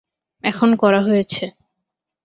এখন করা হয়েছে।